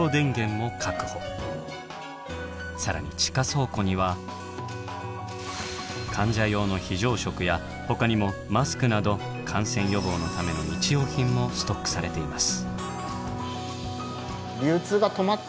更に地下倉庫にはほかにもマスクなど感染予防のための日用品もストックされています。